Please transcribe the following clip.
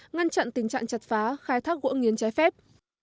ngăn chặn tình trạng chặt phá khai thác gỗ nghiến trái phép